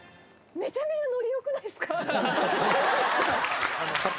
めちゃめちゃ、のりよくないですか？